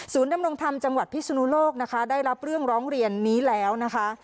ดำรงธรรมจังหวัดพิศนุโลกนะคะได้รับเรื่องร้องเรียนนี้แล้วนะคะ